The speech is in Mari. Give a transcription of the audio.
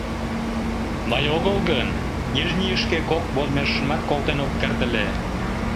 Мый огыл гын, Нижнийышке кок воз межшымат колтен ок керт ыле.